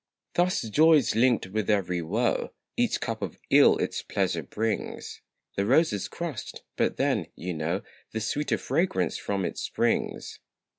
Thus joy is linked with every woe Each cup of ill its pleasure brings; The rose is crushed, but then, you know, The sweeter fragrance from it springs.